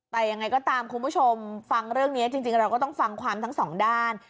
แต่ยังไงก็ตามคุณผู้ชมฟังเรื่องนี้จริงเราก็ต้องฟังความทั้งสองด้าน